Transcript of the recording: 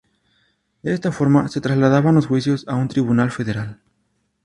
De esta forma se trasladaban los juicios a un tribunal federal.